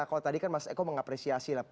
kalau tadi kan mas eko mengapresiasi lah